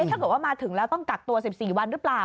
ถ้าเกิดว่ามาถึงแล้วต้องกักตัว๑๔วันหรือเปล่า